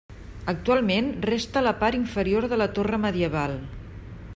Actualment resta la part inferior de la torre medieval.